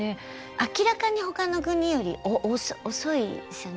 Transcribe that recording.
明らかにほかの国より遅いですよね。